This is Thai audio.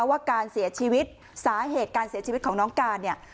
ว่าการเสียชีวิตสาเหตุการเสียชีวิตของน้องการเนี่ย